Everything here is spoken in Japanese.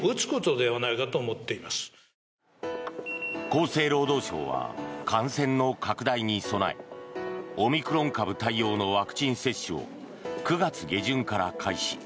厚生労働省は感染の拡大に備えオミクロン株対応のワクチン接種を９月下旬から開始。